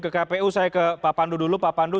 ke kpu saya ke pak pandu dulu pak pandu